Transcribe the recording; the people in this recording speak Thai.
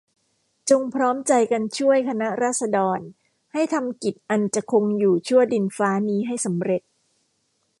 จงพร้อมใจกันช่วยคณะราษฎรให้ทำกิจอันจะคงอยู่ชั่วดินฟ้านี้ให้สำเร็จ